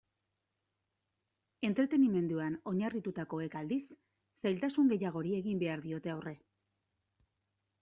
Entretenimenduan oinarritutakoek, aldiz, zailtasun gehiagori egin behar diote aurre.